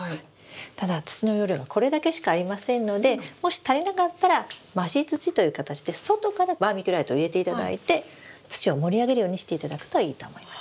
ただ土の容量はこれだけしかありませんのでもし足りなかったら増し土という形で外からバーミキュライトを入れていただいて土を盛り上げるようにしていただくといいと思います。